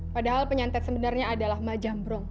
padahal penyantet sebenarnya adalah mbah jamrong